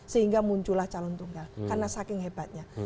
sehingga muncullah calon tunggal karena saking hebatnya